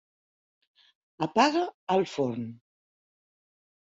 Apaga el forn.